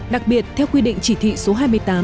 đặc biệt theo quy định chỉ thị số hai mươi tám